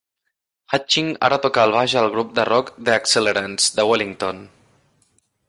Hutching ara toca el baix al grup de rock The Accelerants, de Wellington.